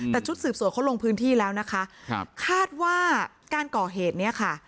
แต่ชุดสืบสวนเขาลงพื้นที่แล้วนะคะครับคาดว่าการก่อเหตุเนี้ยค่ะ